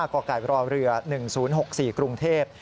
กรเรือ๑๐๖๔กรุงเทพฯ